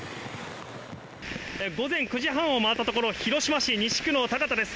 午前９時半を回ったところ、広島市西区の田方です。